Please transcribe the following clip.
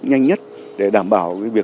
nhanh nhất để đảm bảo